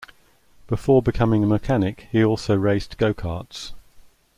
Before becoming a mechanic he also raced go-karts.